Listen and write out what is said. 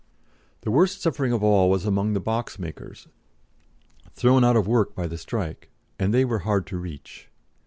] The worst suffering of all was among the box makers, thrown out of work by the strike, and they were hard to reach.